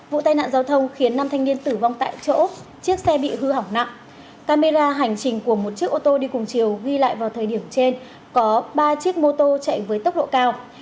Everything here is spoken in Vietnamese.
vụ tai nạn giao thông khiến năm thanh niên tử vong tại chỗ chiếc xe bị hư hỏng nặng camera hành trình của một chiếc ô tô đi cùng chiều ghi lại vào thời điểm trên có ba chiếc mô tô chạy với tốc độ cao